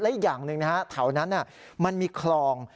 และอีกอย่างหนึ่งนะฮะแถวนั้นมันมีคลอง